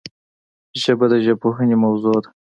ژبه د ژبپوهنې موضوع ده